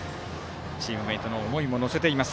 チームメートの思いも乗せています。